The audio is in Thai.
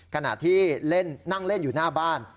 ขณะที่นั่งเล่นอยู่หน้าบ้าน